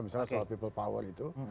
misalnya soal people power itu